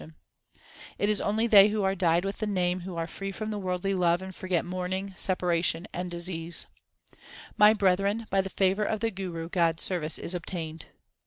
HYMNS OF GURU NANAK 325 It is only they who are dyed with the Name who are free from worldly love and forget mourning, separation, and disease. My brethren, by the favour of the Guru God s service is obtained.